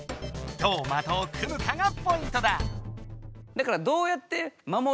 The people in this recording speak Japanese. どうまとを組むかがポイントだ。